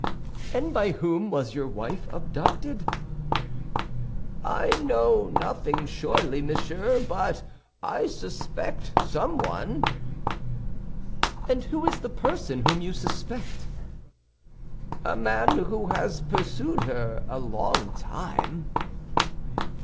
"And by whom was your wife abducted?" "I know nothing surely, monsieur, but I suspect someone." "And who is the person whom you suspect?" "A man who has pursued her a long time."